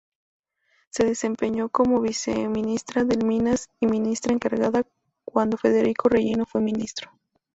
Se desempeñó como Viceministra del Minas y Ministra Encargada cuando Federico Rengifo fue ministro.